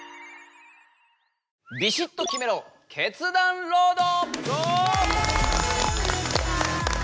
「ビシッと決めろ決断ロード！」。